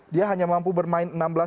dia hanya mampu bermain enam belas